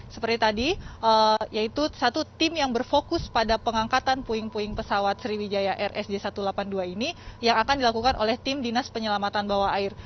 seperti tadi yaitu satu tim yang berfokus pada pengangkatan puing puing pesawat sriwijaya rsj satu ratus delapan puluh dua ini yang akan dilakukan oleh tim dinas penyelamatan bawah air